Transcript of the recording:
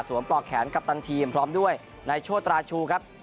สวมปลอกแขนกัปตันทีมพร้อมด้วยในโชว์และชูครับ